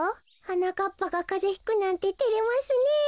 はなかっぱがカゼひくなんててれますねえ。